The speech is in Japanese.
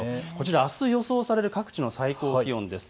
あす予想される各地の最高気温です。